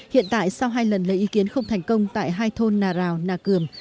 hiện tại sau hai lần lấy ý kiến không thành công tại hai thôn nà rào nà cường